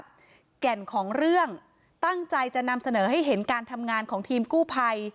แก่นของเรื่องตั้งใจจะนำเสนอให้เห็นการทำงานของทีมกู้ภัย